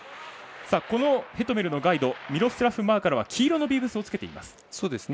ヘトメルのガイドミロスラフ・マーカラは黄色のビブスをつけています。